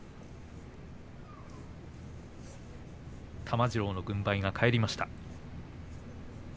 玉治郎の軍配が返りました。